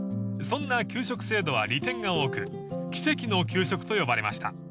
［そんな給食制度は利点が多く奇跡の給食と呼ばれました］